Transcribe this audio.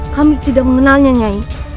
kami tidak mengenalnya nyai